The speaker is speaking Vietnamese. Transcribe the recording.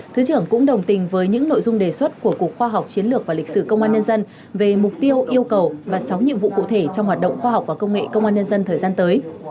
thứ trưởng cũng đồng tình với những nội dung đề xuất của cục khoa học chiến lược và lịch sử công an nhân dân về mục tiêu yêu cầu và sáu nhiệm vụ cụ thể trong hoạt động khoa học và công nghệ công an nhân dân thời gian tới